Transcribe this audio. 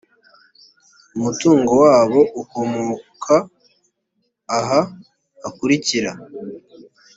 umutungo wabo ukomoka aha hakurikira